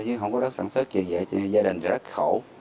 chứ không có đất sản xuất gì vậy gia đình rất khổ